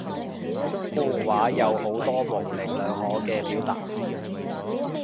官話有好多模棱兩可嘅表達